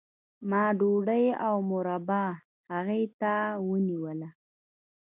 ما ډوډۍ او مربا هغې ته ونیوله